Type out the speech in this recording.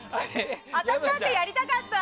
私だってやりたかった！